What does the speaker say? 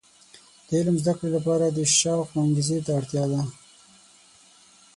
د علم د زده کړې لپاره د شوق او انګیزې ته اړتیا ده.